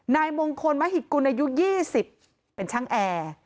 นายมงคลมหิกกุลอายุยี่สิบเป็นช่างแอ